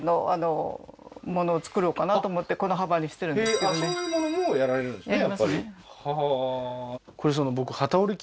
へえーあっそういうものもやられるんですね？